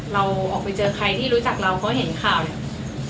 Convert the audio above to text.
เราออกไปเจอใครที่รู้จักเราก็เห็นข่าวเนี่ย